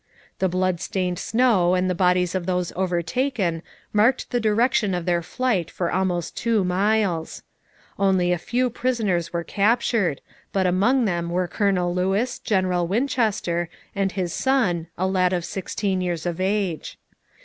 The blood stained snow and the bodies of those overtaken marked the direction of their flight for almost two miles. Only a few prisoners were captured, but among them were Colonel Lewis, General Winchester, and his son, a lad of sixteen years of age.